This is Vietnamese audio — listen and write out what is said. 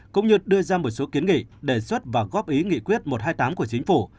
cũng như đưa ra một số kiến nghị đề xuất và góp ý nghị quyết một trăm hai mươi tám của chính phủ